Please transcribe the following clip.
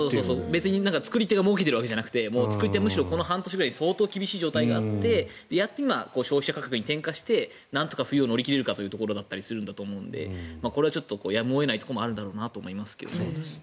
別に作り手がもうけているわけじゃなくて作り手はこの半年ぐらい相当、厳しい状態があってやっと、消費者価格に転嫁してなんとか冬を乗り切れるかというところだと思うのでこれはやむを得ないところもあるんだろうなと思います。